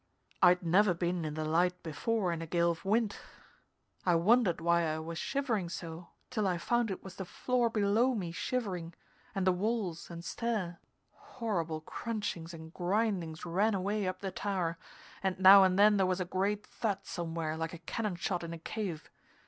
I'd never been in the Light before in a gale of wind. I wondered why I was shivering so, till I found it was the floor below me shivering, and the walls and stair. Horrible crunchings and grindings ran away up the tower, and now and then there was a great thud somewhere, like a cannon shot in a cave.